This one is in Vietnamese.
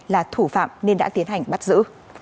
là thủ phạm nên đã tiến hành bắt giữ